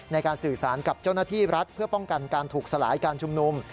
ในการสื่อสารกับเจ้าหน้าที่รัฐเพื่อป้องกันการถูกสลายการชุมนุม